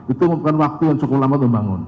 itu bukan waktu yang cukup lama untuk bangun